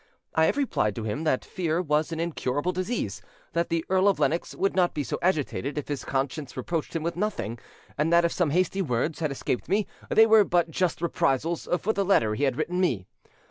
I have replied to him that fear was an incurable disease, that the Earl of Lennox would not be so agitated if his conscience reproached him with nothing, and that if some hasty words had escaped me, they were but just reprisals for the letter he had written me.